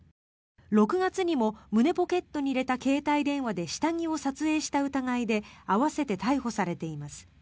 ６月にも胸ポケットに入れた携帯電話で下着を撮影した疑いで合わせて逮捕されています。